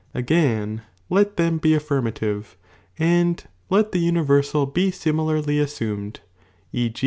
Again, let them* he affirmative, and let the universal be similarly assnraed, e.